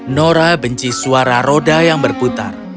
nora benci suara roda yang berputar